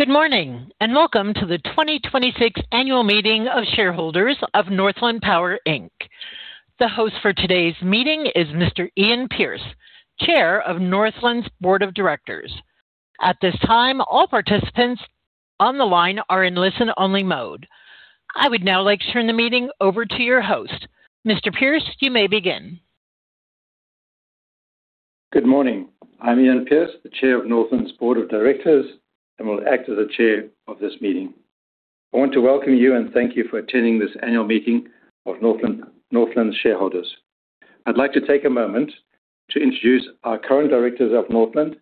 Good morning, welcome to the 2026 Annual Meeting of Shareholders of Northland Power Inc. The host for today's meeting is Mr. Ian Pearce, Chair of Northland's Board of Directors. At this time, all participants on the line are in listen-only mode. I would now like to turn the meeting over to your host. Mr. Pearce, you may begin. Good morning. I'm Ian Pearce, the Chair of Northland's Board of Directors, and will act as the chair of this meeting. I want to welcome you and thank you for attending this annual meeting of Northland's shareholders. I'd like to take a moment to introduce our current Directors of Northland,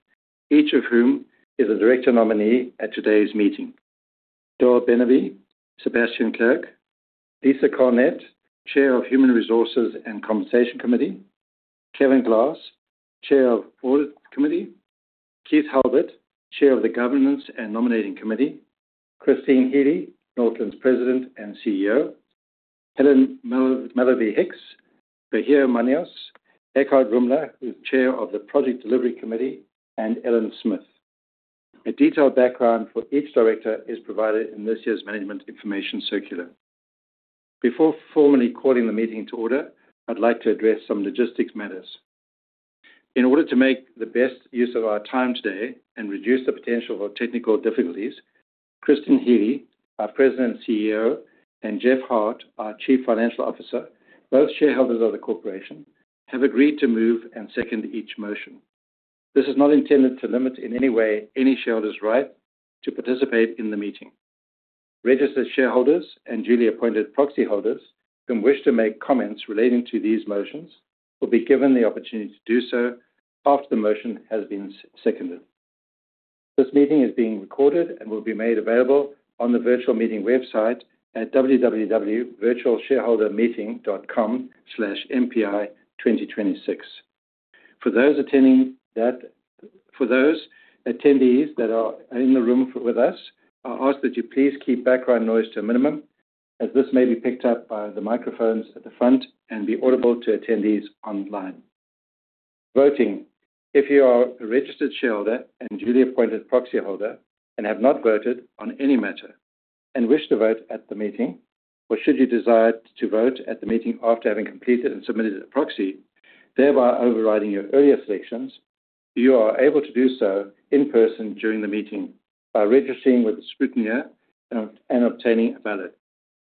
each of whom is a Director nominee at today's meeting. Doyle Beneby, Sébastien Clerc, Lisa Colnett, Chair of Human Resources and Compensation Committee, Kevin Glass, Chair of Audit Committee, Keith Halbert, Chair of the Governance and Nominating Committee, Christine Healy, Northland's President and CEO, Helen Mallovy Hicks, Bahir Manios, Eckhardt Ruemmler, who's Chair of the Project Delivery Committee, and Ellen Smith. A detailed background for each Director is provided in this year's management information circular. Before formally calling the meeting to order, I'd like to address some logistics matters. In order to make the best use of our time today and reduce the potential for technical difficulties, Christine Healy, our President and CEO, and Jeff Hart, our Chief Financial Officer, both shareholders of the corporation, have agreed to move and second each motion. This is not intended to limit in any way any shareholder's right to participate in the meeting. Registered shareholders and duly appointed proxy holders who wish to make comments relating to these motions will be given the opportunity to do so after the motion has been seconded. This meeting is being recorded and will be made available on the virtual meeting website at www.virtualshareholdermeeting.com/npi2026. For those attendees that are in the room with us, I ask that you please keep background noise to a minimum, as this may be picked up by the microphones at the front and be audible to attendees online. Voting. If you are a registered shareholder and duly appointed proxy holder and have not voted on any matter, and wish to vote at the meeting, or should you desire to vote at the meeting after having completed and submitted a proxy, thereby overriding your earlier selections, you are able to do so in person during the meeting by registering with the scrutineer and obtaining a ballot,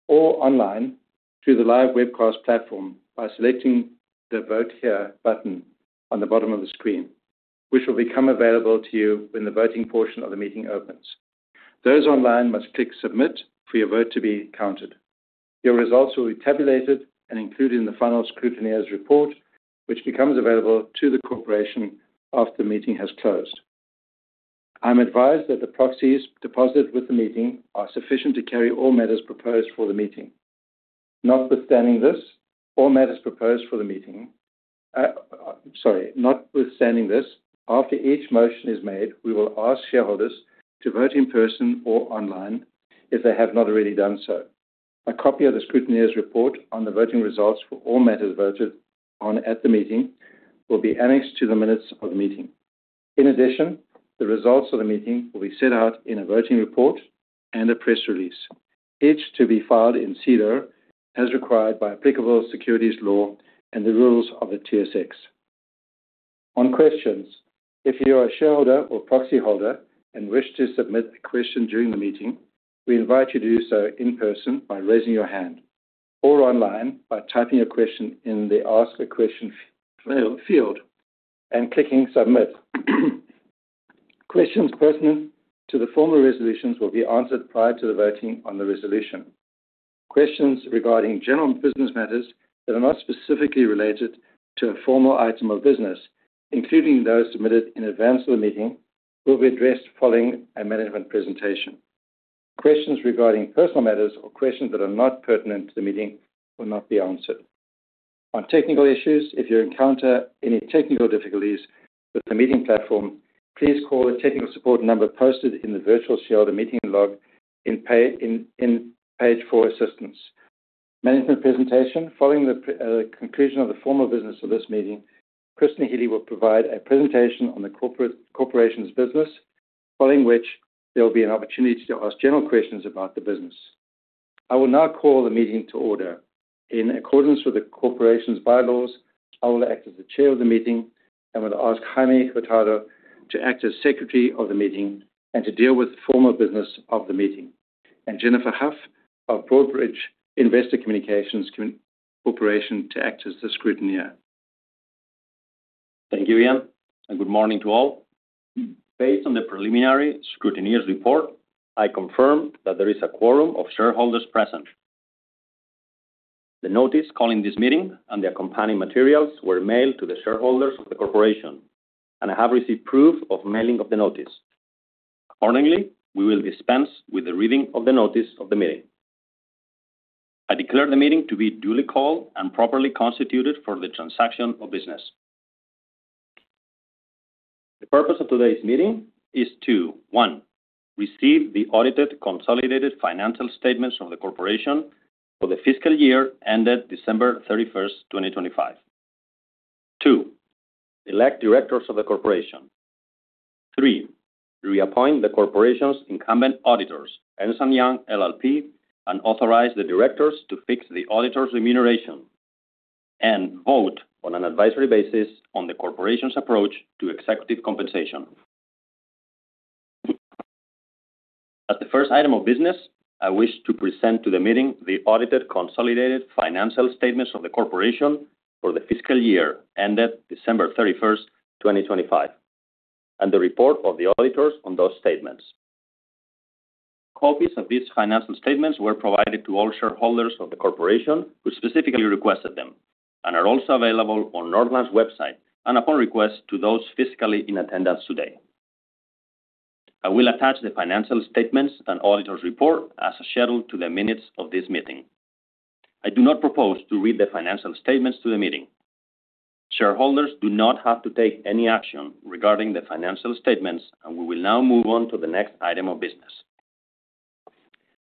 or online through the live webcast platform by selecting the Vote Here button on the bottom of the screen, which will become available to you when the voting portion of the meeting opens. Those online must click Submit for your vote to be counted. Your results will be tabulated and included in the final scrutineer's report, which becomes available to the corporation after the meeting has closed. I'm advised that the proxies deposited with the meeting are sufficient to carry all matters proposed for the meeting. Notwithstanding this, after each motion is made, we will ask shareholders to vote in person or online if they have not already done so. A copy of the scrutineer's report on the voting results for all matters voted on at the meeting will be annexed to the minutes of the meeting. In addition, the results of the meeting will be set out in a voting report and a press release, each to be filed in SEDAR+ as required by applicable securities law and the rules of the TSX. On questions, if you are a shareholder or proxy holder and wish to submit a question during the meeting, we invite you to do so in person by raising your hand, or online by typing a question in the Ask a Question field and clicking Submit. Questions pertinent to the formal resolutions will be answered prior to the voting on the resolution. Questions regarding general business matters that are not specifically related to a formal item of business, including those submitted in advance of the meeting, will be addressed following a management presentation. Questions regarding personal matters or questions that are not pertinent to the meeting will not be answered. On technical issues, if you encounter any technical difficulties with the meeting platform, please call the technical support number posted in the virtual shareholder meeting login page for assistance. Management presentation. Following the conclusion of the formal business of this meeting, Christine Healy will provide a presentation on the corporation's business, following which there will be an opportunity to ask general questions about the business. I will now call the meeting to order. In accordance with the corporation's bylaws, I will act as the chair of the meeting and will ask Jaime Hurtado to act as secretary of the meeting and to deal with the formal business of the meeting, and Jennifer Hough of Broadridge Investor Communications Corporation to act as the scrutineer. Thank you, Ian. Good morning to all. Based on the preliminary scrutineer's report, I confirm that there is a quorum of shareholders present. The notice calling this meeting and the accompanying materials were mailed to the shareholders of the corporation, and I have received proof of mailing of the notice. Accordingly, we will dispense with the reading of the notice of the meeting. I declare the meeting to be duly called and properly constituted for the transaction of business. The purpose of today's meeting is to, one, receive the audited consolidated financial statements from the corporation for the fiscal year ended December 31st, 2025. Two, elect Directors of the corporation. Three, reappoint the corporation's incumbent auditors, Ernst & Young LLP, and authorize the Directors to fix the auditors' remuneration. Four, vote on an advisory basis on the corporation's approach to executive compensation. As the first item of business, I wish to present to the meeting the audited consolidated financial statements of the corporation for the fiscal year ended December 31st, 2025, and the report of the auditors on those statements. Copies of these financial statements were provided to all shareholders of the corporation who specifically requested them and are also available on Northland's website and upon request to those physically in attendance today. I will attach the financial statements and auditor's report as a schedule to the minutes of this meeting. I do not propose to read the financial statements to the meeting. Shareholders do not have to take any action regarding the financial statements, and we will now move on to the next item of business.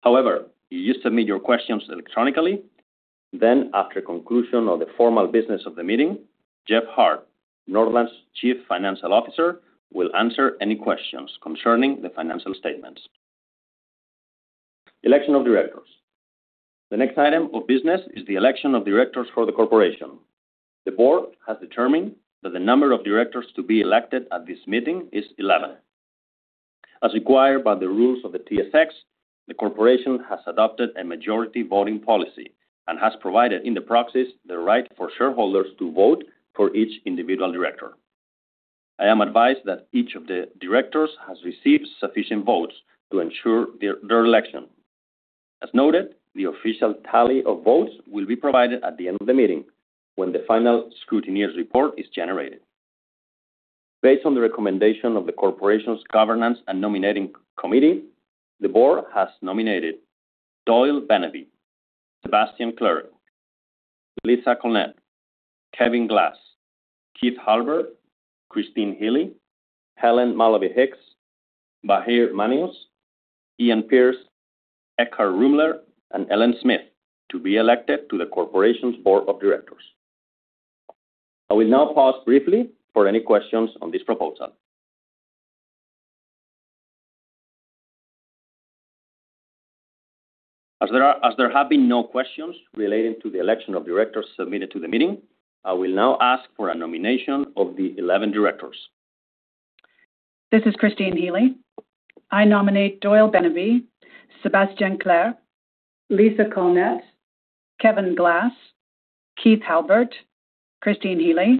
However, you submit your questions electronically. After conclusion of the formal business of the meeting, Jeff Hart, Northland's Chief Financial Officer, will answer any questions concerning the financial statements. Election of directors. The next item of business is the election of directors for the corporation. The board has determined that the number of directors to be elected at this meeting is 11. As required by the rules of the TSX, the corporation has adopted a majority voting policy and has provided in the proxies the right for shareholders to vote for each individual director. I am advised that each of the directors has received sufficient votes to ensure their election. As noted, the official tally of votes will be provided at the end of the meeting when the final scrutineer's report is generated. Based on the recommendation of the corporation's Governance and Nominating Committee, the board has nominated Doyle Beneby, Sébastien Clerc, Lisa Colnett, Kevin Glass, Keith Halbert, Christine Healy, Helen Mallovy Hicks, Bahir Manios, Ian Pearce, Eckhardt Ruemmler, and Ellen Smith to be elected to the corporation's board of directors. I will now pause briefly for any questions on this proposal. As there have been no questions relating to the election of directors submitted to the meeting, I will now ask for a nomination of the 11 directors. This is Christine Healy. I nominate Doyle Beneby, Sébastien Clerc, Lisa Colnett, Kevin Glass, Keith Halbert, Christine Healy,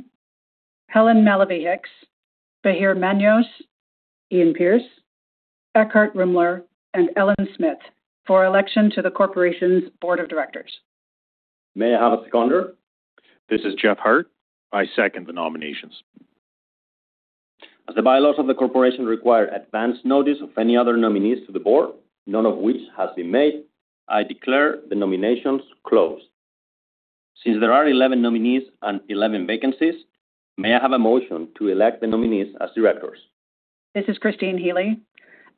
Helen Mallovy Hicks, Bahir Manios, Ian Pearce, Eckhardt Ruemmler, and Ellen Smith for election to the corporation's board of directors. May I have a seconder? This is Jeff Hart. I second the nominations. As the bylaws of the corporation require advance notice of any other nominees to the board, none of which has been made, I declare the nominations closed. Since there are 11 nominees and 11 vacancies, may I have a motion to elect the nominees as directors? This is Christine Healy.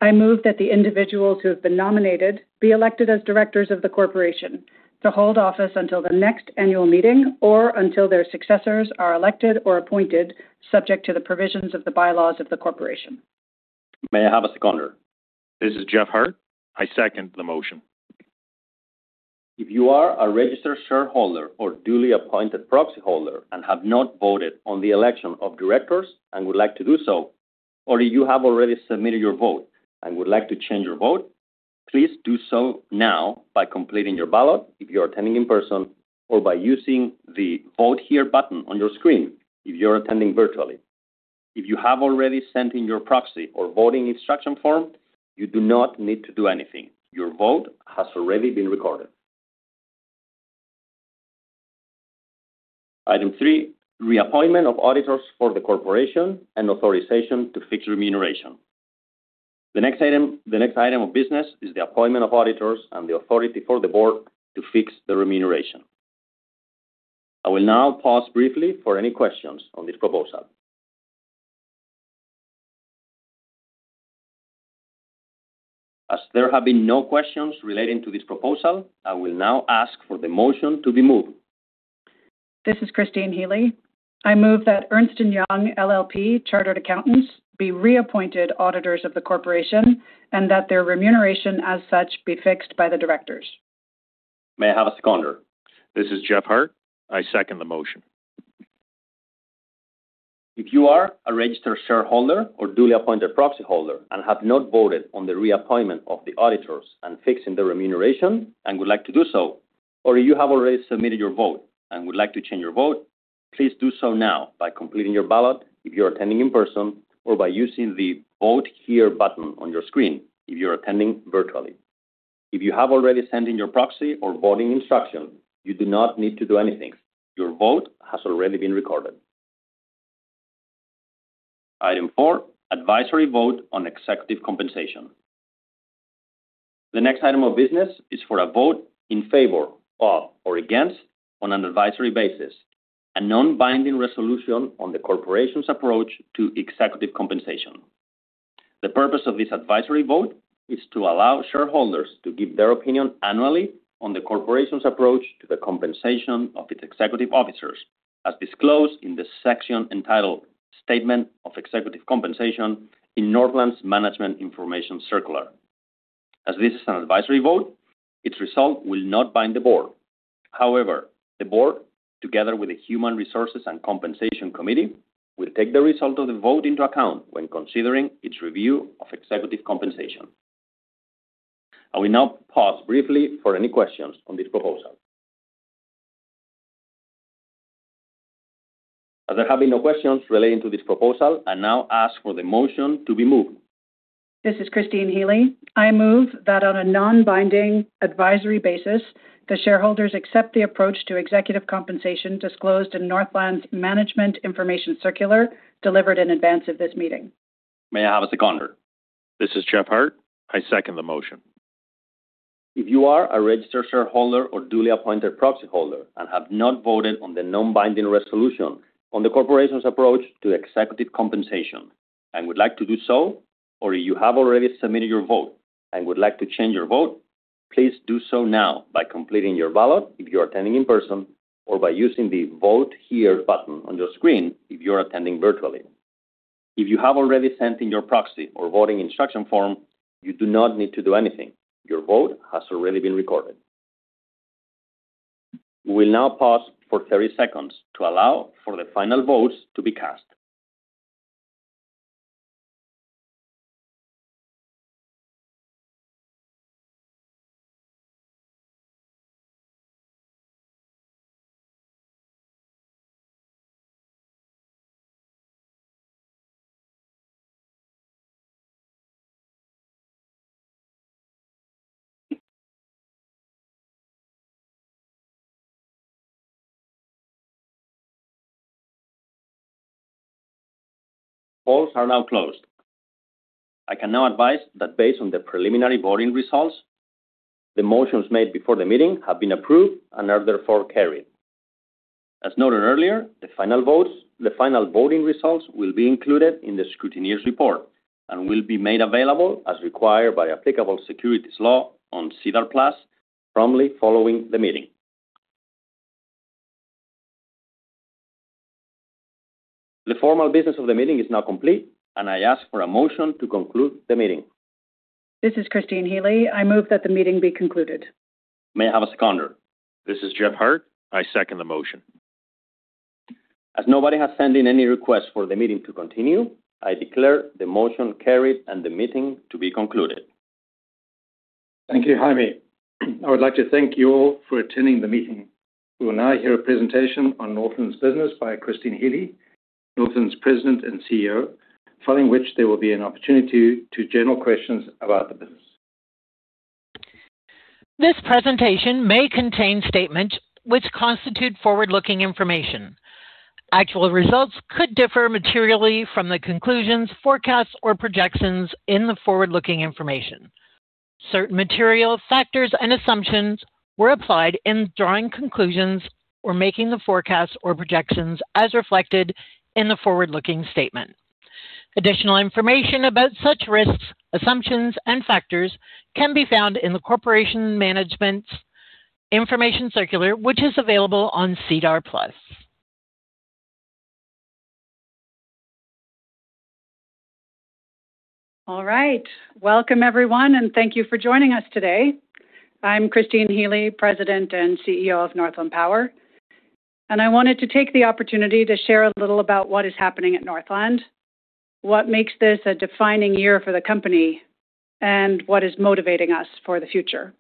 I move that the individuals who have been nominated be elected as directors of the corporation to hold office until the next annual meeting or until their successors are elected or appointed, subject to the provisions of the bylaws of the corporation. May I have a seconder? This is Jeff Hart. I second the motion. If you are a registered shareholder or duly appointed proxyholder and have not voted on the election of directors and would like to do so, or you have already submitted your vote and would like to change your vote, please do so now by completing your ballot if you're attending in person or by using the Vote Here button on your screen if you're attending virtually. If you have already sent in your proxy or voting instruction form, you do not need to do anything. Your vote has already been recorded. Item 3, reappointment of auditors for the corporation and authorization to fix remuneration. The next item of business is the appointment of auditors and the authority for the board to fix the remuneration. I will now pause briefly for any questions on this proposal. As there have been no questions relating to this proposal, I will now ask for the motion to be moved. This is Christine Healy. I move that Ernst & Young LLP Chartered Accountants be reappointed auditors of the corporation and that their remuneration as such be fixed by the directors. May I have a seconder? This is Jeff Hart. I second the motion. If you are a registered shareholder or duly appointed proxyholder and have not voted on the reappointment of the auditors and fixing the remuneration and would like to do so, or you have already submitted your vote and would like to change your vote, please do so now by completing your ballot if you're attending in person or by using the Vote Here button on your screen if you're attending virtually. If you have already sent in your proxy or voting instruction, you do not need to do anything. Your vote has already been recorded. Item 4, Advisory Vote on Executive Compensation. The next item of business is for a vote in favor of or against, on an advisory basis, a non-binding resolution on the corporation's approach to executive compensation. The purpose of this advisory vote is to allow shareholders to give their opinion annually on the corporation's approach to the compensation of its executive officers, as disclosed in the section entitled "Statement of Executive Compensation" in Northland's Management Information Circular. As this is an advisory vote, its result will not bind the board. However, the board, together with the Human Resources and Compensation Committee, will take the result of the vote into account when considering its review of executive compensation. I will now pause briefly for any questions on this proposal. As there have been no questions relating to this proposal, I now ask for the motion to be moved. This is Christine Healy. I move that on a non-binding advisory basis, the shareholders accept the approach to executive compensation disclosed in Northland's Management Information Circular, delivered in advance of this meeting. May I have a seconder? This is Jeff Hart. I second the motion. If you are a registered shareholder or duly appointed proxyholder and have not voted on the non-binding resolution on the corporation's approach to executive compensation and would like to do so, or you have already submitted your vote and would like to change your vote, please do so now by completing your ballot if you're attending in person or by using the Vote Here button on your screen if you're attending virtually. If you have already sent in your proxy or voting instruction form, you do not need to do anything. Your vote has already been recorded. We will now pause for 30 seconds to allow for the final votes to be cast. Polls are now closed. I can now advise that based on the preliminary voting results, the motions made before the meeting have been approved and are therefore carried. As noted earlier, the final voting results will be included in the scrutineer's report and will be made available as required by applicable securities law on SEDAR+ promptly following the meeting. The formal business of the meeting is now complete, and I ask for a motion to conclude the meeting. This is Christine Healy. I move that the meeting be concluded. May I have a seconder? This is Jeff Hart. I second the motion. As nobody has sent in any request for the meeting to continue, I declare the motion carried and the meeting to be concluded. Thank you, Jaime. I would like to thank you all for attending the meeting. We will now hear a presentation on Northland's business by Christine Healy, Northland's President and CEO, following which there will be an opportunity to general questions about the business. This presentation may contain statements which constitute forward-looking information. Actual results could differ materially from the conclusions, forecasts, or projections in the forward-looking information. Certain material factors and assumptions were applied in drawing conclusions or making the forecasts or projections as reflected in the forward-looking statement. Additional information about such risks, assumptions, and factors can be found in the corporation management's information circular, which is available on SEDAR+. All right. Welcome, everyone, and thank you for joining us today. I'm Christine Healy, President and CEO of Northland Power, and I wanted to take the opportunity to share a little about what is happening at Northland, what makes this a defining year for the company, and what is motivating us for the future.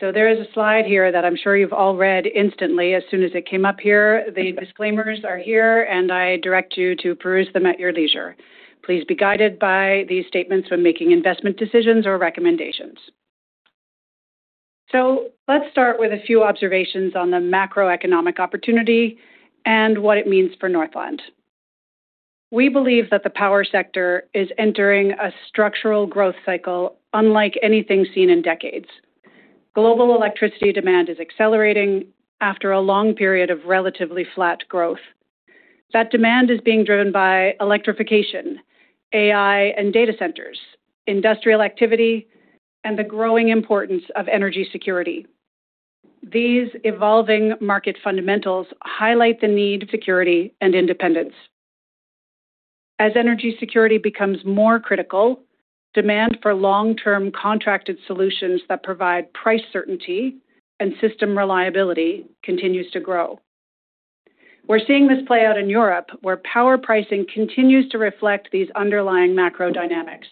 There is a slide here that I'm sure you've all read instantly as soon as it came up here. The disclaimers are here, and I direct you to peruse them at your leisure. Please be guided by these statements when making investment decisions or recommendations. Let's start with a few observations on the macroeconomic opportunity and what it means for Northland. We believe that the power sector is entering a structural growth cycle unlike anything seen in decades. Global electricity demand is accelerating after a long period of relatively flat growth. That demand is being driven by electrification, AI, and data centers, industrial activity, and the growing importance of energy security. These evolving market fundamentals highlight the need for security and independence. As energy security becomes more critical, demand for long-term contracted solutions that provide price certainty and system reliability continues to grow. We're seeing this play out in Europe, where power pricing continues to reflect these underlying macro dynamics,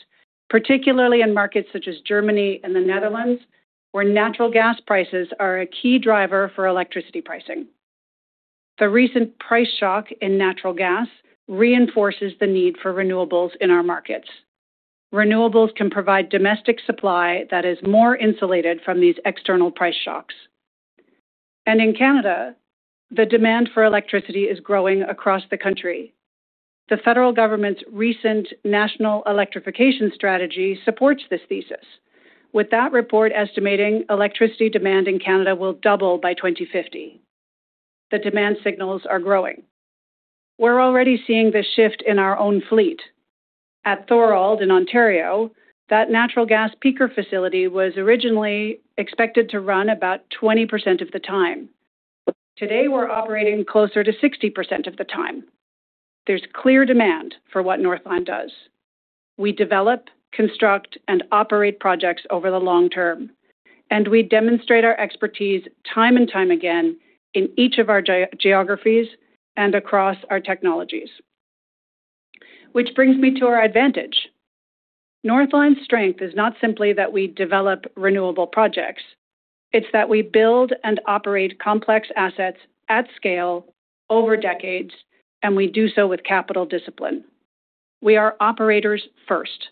particularly in markets such as Germany and the Netherlands, where natural gas prices are a key driver for electricity pricing. The recent price shock in natural gas reinforces the need for renewables in our markets. Renewables can provide domestic supply that is more insulated from these external price shocks. In Canada, the demand for electricity is growing across the country. The federal government's recent national electrification strategy supports this thesis. With that report estimating electricity demand in Canada will double by 2050, the demand signals are growing. We're already seeing this shift in our own fleet. At Thorold in Ontario, that natural gas peaker facility was originally expected to run about 20% of the time. Today, we're operating closer to 60% of the time. There's clear demand for what Northland does. We develop, construct, and operate projects over the long term, and we demonstrate our expertise time and time again in each of our geographies and across our technologies. Which brings me to our advantage. Northland's strength is not simply that we develop renewable projects, it's that we build and operate complex assets at scale over decades, and we do so with capital discipline. We are operators first.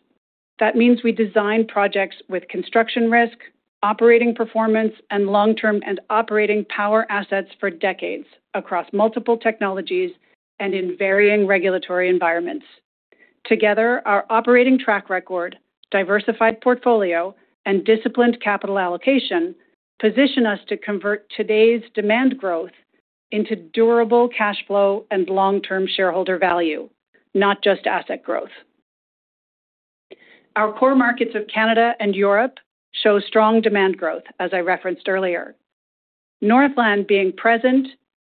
That means we design projects with construction risk, operating performance, and long-term and operating power assets for decades across multiple technologies and in varying regulatory environments. Together, our operating track record, diversified portfolio, and disciplined capital allocation position us to convert today's demand growth into durable cash flow and long-term shareholder value, not just asset growth. Our core markets of Canada and Europe show strong demand growth, as I referenced earlier. Northland being present,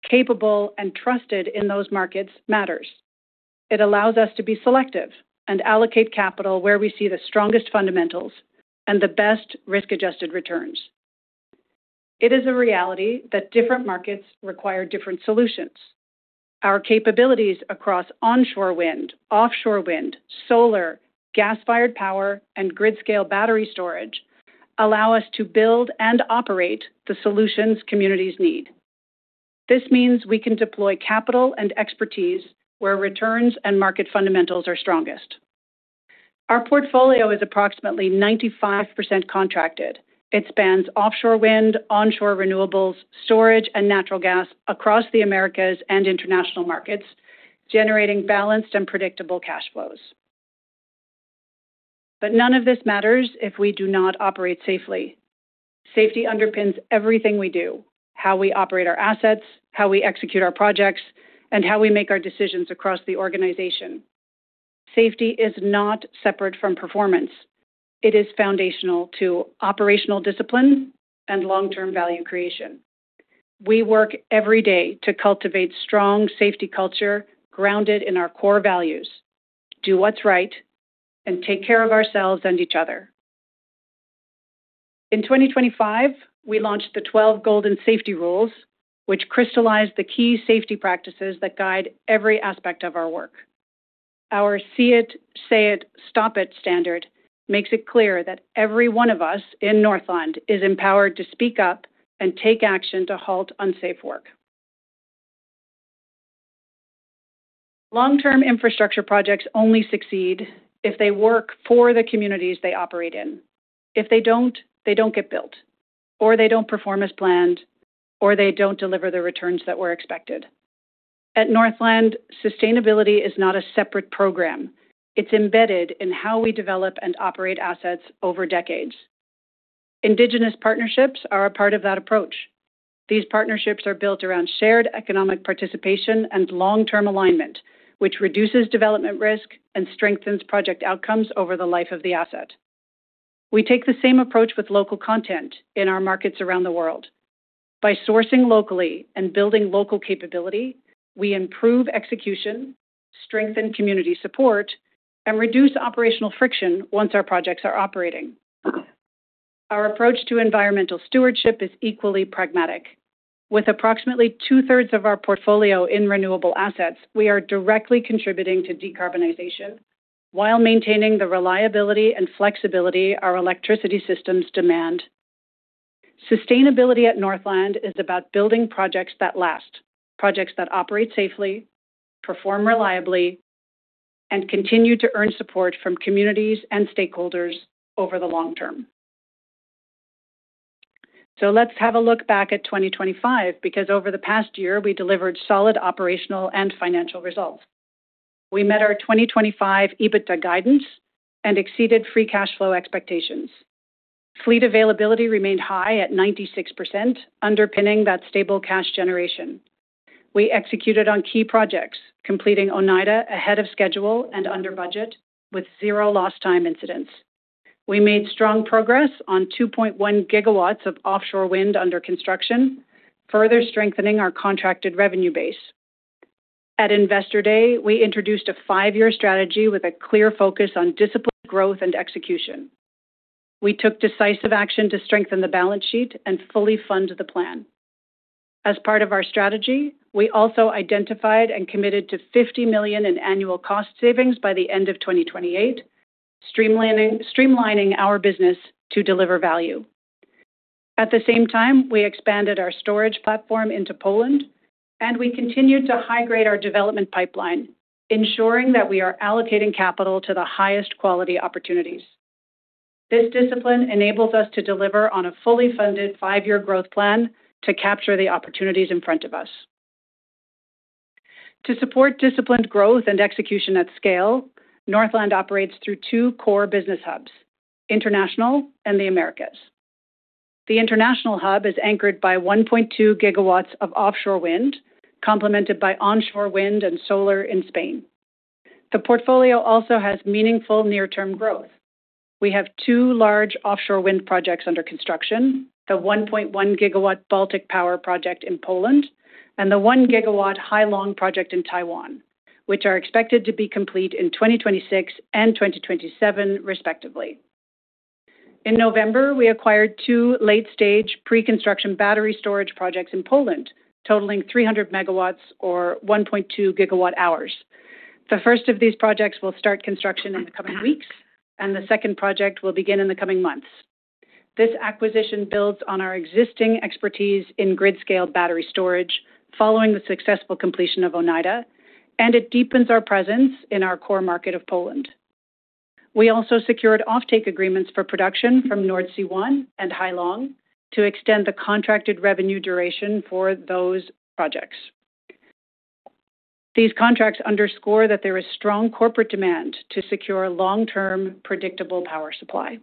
capable, and trusted in those markets matters. It allows us to be selective and allocate capital where we see the strongest fundamentals and the best risk-adjusted returns. It is a reality that different markets require different solutions. Our capabilities across onshore wind, offshore wind, solar, gas-fired power, and grid-scale battery storage allow us to build and operate the solutions communities need. This means we can deploy capital and expertise where returns and market fundamentals are strongest. Our portfolio is approximately 95% contracted. It spans offshore wind, onshore renewables, storage, and natural gas across the Americas and international markets, generating balanced and predictable cash flows. None of this matters if we do not operate safely. Safety underpins everything we do, how we operate our assets, how we execute our projects, and how we make our decisions across the organization. Safety is not separate from performance. It is foundational to operational discipline and long-term value creation. We work every day to cultivate strong safety culture grounded in our core values, do what's right, and take care of ourselves and each other. In 2025, we launched the 12 Golden Safety Rules, which crystallize the key safety practices that guide every aspect of our work. Our See It, Say It, Stop It standard makes it clear that every one of us in Northland is empowered to speak up and take action to halt unsafe work. Long-term infrastructure projects only succeed if they work for the communities they operate in. If they don't, they don't get built, or they don't perform as planned, or they don't deliver the returns that were expected. At Northland, sustainability is not a separate program. It's embedded in how we develop and operate assets over decades. Indigenous partnerships are a part of that approach. These partnerships are built around shared economic participation and long-term alignment, which reduces development risk and strengthens project outcomes over the life of the asset. We take the same approach with local content in our markets around the world. By sourcing locally and building local capability, we improve execution, strengthen community support, and reduce operational friction once our projects are operating. Our approach to environmental stewardship is equally pragmatic. With approximately two-thirds of our portfolio in renewable assets, we are directly contributing to decarbonization while maintaining the reliability and flexibility our electricity systems demand. Sustainability at Northland is about building projects that last, projects that operate safely, perform reliably, and continue to earn support from communities and stakeholders over the long term. Let's have a look back at 2025, because over the past year, we delivered solid operational and financial results. We met our 2025 EBITDA guidance and exceeded free cash flow expectations. Fleet availability remained high at 96%, underpinning that stable cash generation. We executed on key projects, completing Oneida ahead of schedule and under budget with zero lost time incidents. We made strong progress on 2.1 GW of offshore wind under construction, further strengthening our contracted revenue base. At Investor Day, we introduced a five-year strategy with a clear focus on disciplined growth and execution. We took decisive action to strengthen the balance sheet and fully fund the plan. As part of our strategy, we also identified and committed to 50 million in annual cost savings by the end of 2028, streamlining our business to deliver value. At the same time, we expanded our storage platform into Poland, and we continued to high-grade our development pipeline, ensuring that we are allocating capital to the highest quality opportunities. This discipline enables us to deliver on a fully funded five-year growth plan to capture the opportunities in front of us. To support disciplined growth and execution at scale, Northland operates through two core business hubs, International and the Americas. The International hub is anchored by 1.2 GW of offshore wind, complemented by onshore wind and solar in Spain. The portfolio also has meaningful near-term growth. We have two large offshore wind projects under construction, the 1.1 GW Baltic Power project in Poland and the 1 GW Hai Long project in Taiwan, which are expected to be complete in 2026 and 2027 respectively. In November, we acquired 2 late-stage pre-construction battery storage projects in Poland, totaling 300 MW or 1.2 GWh. The first of these projects will start construction in the coming weeks, and the second project will begin in the coming months. This acquisition builds on our existing expertise in grid-scale battery storage following the successful completion of Oneida, and it deepens our presence in our core market of Poland. We also secured offtake agreements for production from Nordsee One and Hai Long to extend the contracted revenue duration for those projects. These contracts underscore that there is strong corporate demand to secure long-term predictable power supply.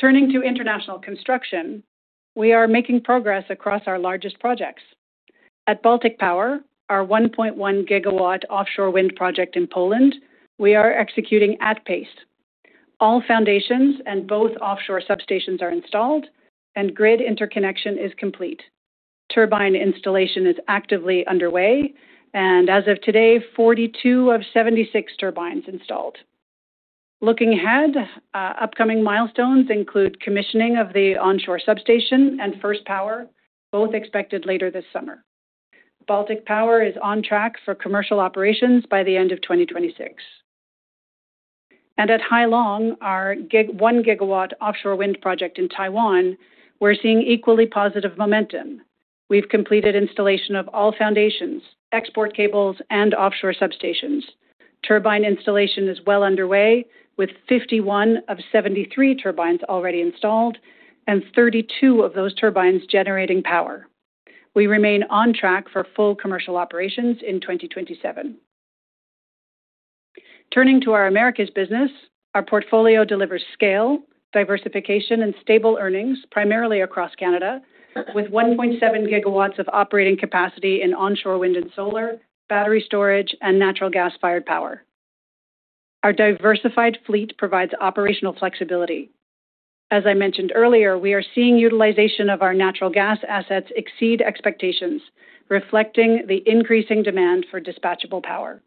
Turning to international construction, we are making progress across our largest projects. At Baltic Power, our 1.1 GW offshore wind project in Poland, we are executing at pace. All foundations and both offshore substations are installed, and grid interconnection is complete. Turbine installation is actively underway, and as of today, 42 of 76 turbines installed. Looking ahead, upcoming milestones include commissioning of the onshore substation and first power, both expected later this summer. Baltic Power is on track for commercial operations by the end of 2026. At Hai Long, our 1 GW offshore wind project in Taiwan, we're seeing equally positive momentum. We've completed installation of all foundations, export cables, and offshore substations. Turbine installation is well underway, with 51 of 73 turbines already installed and 32 of those turbines generating power. We remain on track for full commercial operations in 2027. Turning to our Americas business, our portfolio delivers scale, diversification, and stable earnings primarily across Canada, with 1.7 GW of operating capacity in onshore wind and solar, battery storage, and natural gas-fired power. Our diversified fleet provides operational flexibility. As I mentioned earlier, we are seeing utilization of our natural gas assets exceed expectations, reflecting the increasing demand for dispatchable power.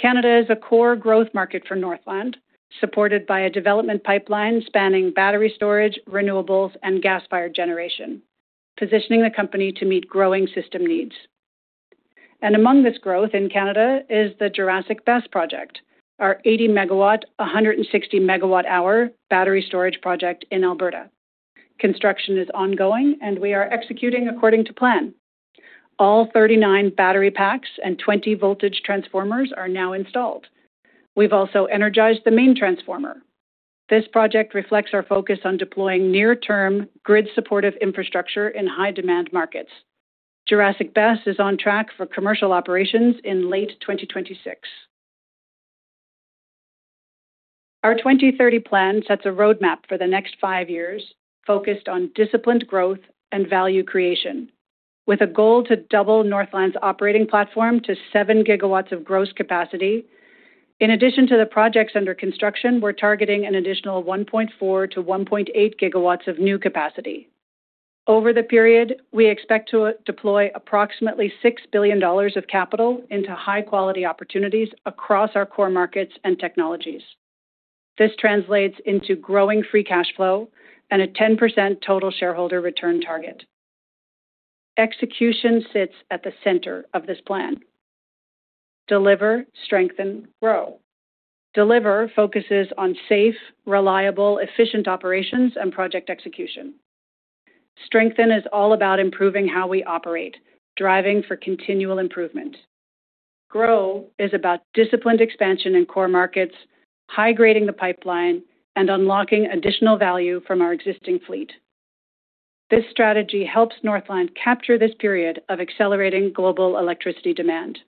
Canada is a core growth market for Northland, supported by a development pipeline spanning battery storage, renewables, and gas-fired generation, positioning the company to meet growing system needs. Among this growth in Canada is the Jurassic BESS project, our 80 MW, 160 MWh battery storage project in Alberta. Construction is ongoing, and we are executing according to plan. All 39 battery packs and 20 voltage transformers are now installed. We've also energized the main transformer. This project reflects our focus on deploying near-term grid-supportive infrastructure in high-demand markets. Jurassic BESS is on track for commercial operations in late 2026. Our 2030 plan sets a roadmap for the next five years focused on disciplined growth and value creation with a goal to double Northland's operating platform to 7 GW of gross capacity. In addition to the projects under construction, we're targeting an additional 1.4 GW-1.8 GW of new capacity. Over the period, we expect to deploy approximately 6 billion dollars of capital into high-quality opportunities across our core markets and technologies. This translates into growing free cash flow and a 10% total shareholder return target. Execution sits at the center of this plan. Deliver, strengthen, grow. Deliver focuses on safe, reliable, efficient operations and project execution. Strengthen is all about improving how we operate, driving for continual improvement. Grow is about disciplined expansion in core markets, high-grading the pipeline, and unlocking additional value from our existing fleet. This strategy helps Northland capture this period of accelerating global electricity demand.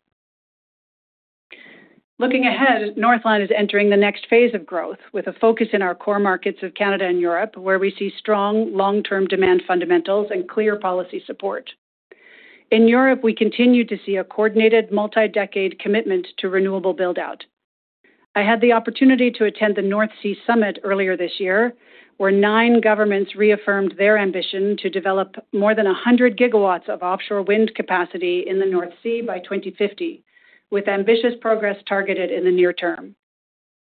Looking ahead, Northland is entering the next phase of growth with a focus in our core markets of Canada and Europe, where we see strong long-term demand fundamentals and clear policy support. In Europe, we continue to see a coordinated multi-decade commitment to renewable build-out. I had the opportunity to attend the North Sea Summit earlier this year, where nine governments reaffirmed their ambition to develop more than 100 GW of offshore wind capacity in the North Sea by 2050, with ambitious progress targeted in the near term.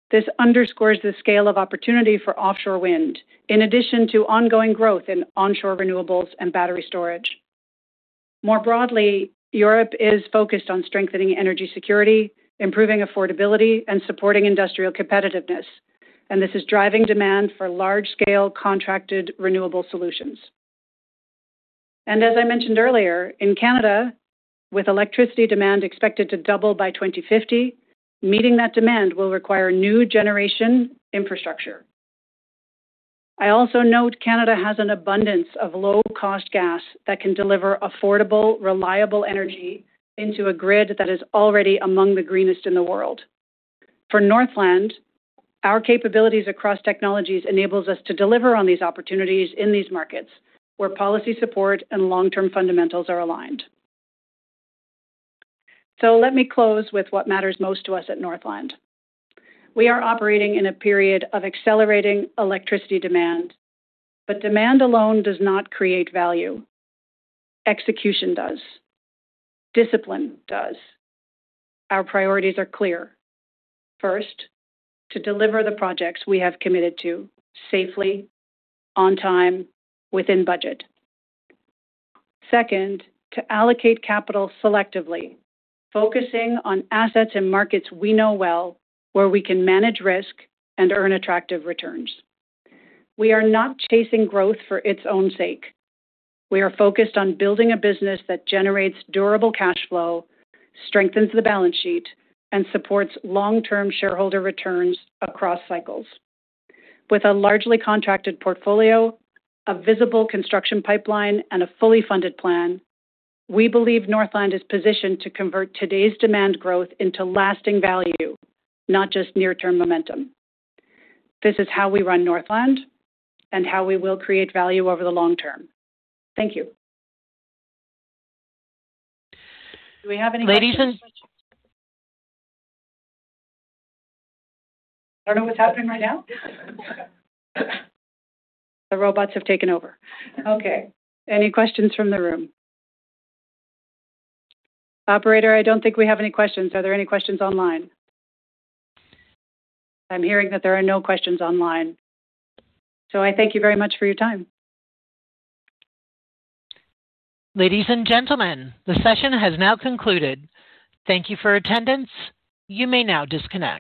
This underscores the scale of opportunity for offshore wind, in addition to ongoing growth in onshore renewables and battery storage. More broadly, Europe is focused on strengthening energy security, improving affordability, and supporting industrial competitiveness, and this is driving demand for large-scale contracted renewable solutions. As I mentioned earlier, in Canada, with electricity demand expected to double by 2050, meeting that demand will require new generation infrastructure. I also note Canada has an abundance of low-cost gas that can deliver affordable, reliable energy into a grid that is already among the greenest in the world. For Northland, our capabilities across technologies enables us to deliver on these opportunities in these markets, where policy support and long-term fundamentals are aligned. Let me close with what matters most to us at Northland. We are operating in a period of accelerating electricity demand, but demand alone does not create value. Execution does. Discipline does. Our priorities are clear. First, to deliver the projects we have committed to safely, on time, within budget. Second, to allocate capital selectively, focusing on assets and markets we know well, where we can manage risk and earn attractive returns. We are not chasing growth for its own sake. We are focused on building a business that generates durable cash flow, strengthens the balance sheet, and supports long-term shareholder returns across cycles. With a largely contracted portfolio, a visible construction pipeline, and a fully funded plan, we believe Northland is positioned to convert today's demand growth into lasting value, not just near-term momentum. This is how we run Northland, and how we will create value over the long term. Thank you. Do we have any questions? Ladies and- I don't know what's happening right now. The robots have taken over. Any questions from the room? Operator, I don't think we have any questions. Are there any questions online? I'm hearing that there are no questions online. I thank you very much for your time. Ladies and gentlemen, the session has now concluded. Thank you for attendance. You may now disconnect.